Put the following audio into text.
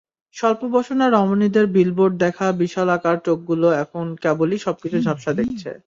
স্বল্পবসনা রমণীদের বিলবোর্ড দেখা বিশাল আকার চোখগুলো এখন কেবলই সবকিছু ঝাপসা দেখছে।